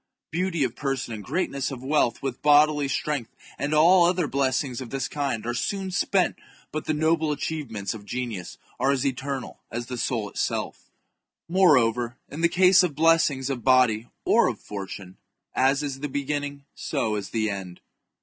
Beauty of person and greatness of wealth, with bodily strength, and all other blessings of this kind, are soon spent, but the noble achievements of genius are as eternal as the soul itself Moreover, in the case of blessings of body or of fortune, as is the beginning so is the end.